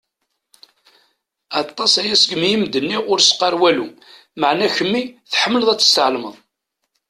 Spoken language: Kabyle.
Aṭas-aya seg mi i m-d-nniɣ ur s-qqaṛ walu, meƐna kemmi tḥemmleɣ ad tt-tesƐelmeḍ.